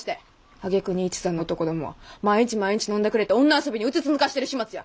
あげくに一座の男どもは毎日毎日飲んだくれて女遊びにうつつ抜かしてる始末や。